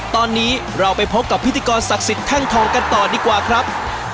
ตอนนี้เราไปพบกับพิธีกรศักดิ์สิทธิแท่งทองกันต่อดีกว่าครับ